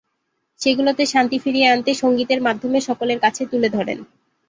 সেগুলোতে শান্তি ফিরিয়ে আনতে সঙ্গীতের মাধ্যমে সকলের কাছে তুলে ধরেন।